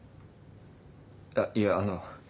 あっいやあの。